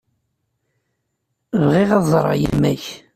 Bɣiɣ ad ẓreɣ yemma-k.